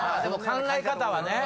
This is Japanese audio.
考え方はね。